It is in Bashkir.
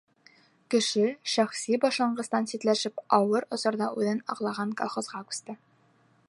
Кеше шәхси башланғыстан ситләшеп, ауыр осорҙа үҙен аҡлаған колхозға күсте.